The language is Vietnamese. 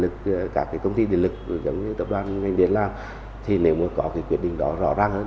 các công ty điện lực giống như tập đoàn ngành điện làm thì nếu mà có cái quyết định đó rõ ràng hơn